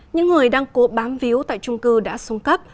những người đang cố bám víu tại trung cư đã xuống cấp